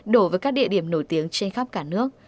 đổ vào các địa điểm nổi tiếng trên khắp cả nước